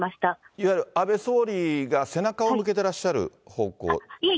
いわゆる安倍総理が背中を向けてらっしゃる方向？